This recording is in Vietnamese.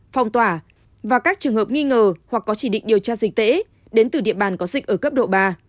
phong tỏa và các trường hợp nghi ngờ hoặc có chỉ định điều tra dịch tễ đến từ địa bàn có dịch ở cấp độ ba